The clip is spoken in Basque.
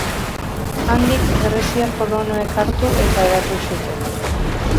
Handik greziar kolonoek hartu eta hedatu zuten.